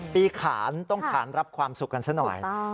ขานต้องขานรับความสุขกันซะหน่อย